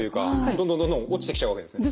どんどんどんどん落ちてきちゃうわけですね。